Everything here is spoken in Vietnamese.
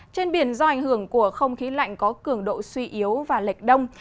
trên biển do ảnh hưởng của không khí lạnh có cường độ suy yếu và lệch đông